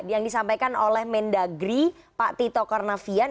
yang disampaikan oleh mendagri pak tito karnavian